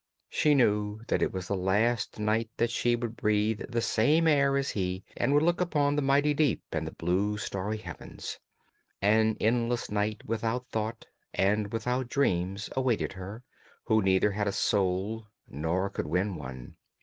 She knew that it was the last night that she would breathe the same air as he, and would look upon the mighty deep, and the blue starry heavens; an endless night without thought and without dreams awaited her, who neither had a soul, nor could win one.